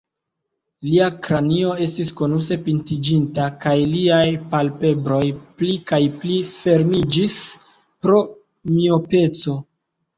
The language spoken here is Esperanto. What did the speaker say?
Lia kranio estis konuse pintiĝinta, kaj liaj palpebroj pli kaj pli fermiĝis pro miopeco.